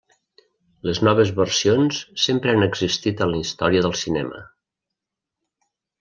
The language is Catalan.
Les noves versions sempre han existit en la història del cinema.